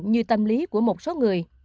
như tâm lý của một số người